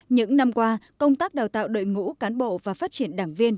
những năm qua công tác đào tạo đội ngũ cán bộ và phát triển đảng viên